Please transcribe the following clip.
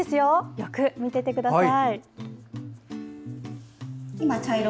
よく見ててください。